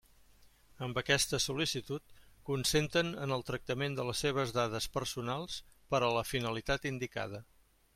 Amb aquesta sol·licitud consenten en el tractament de les seves dades personals per a la finalitat indicada.